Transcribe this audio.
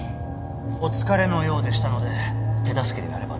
お疲れのようでしたので手助けになればと思い